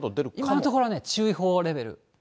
今のところはね、注意報レベル。